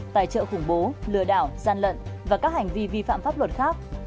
tài trợ khủng bố lừa đảo gian lận và các hành vi vi phạm pháp luật khác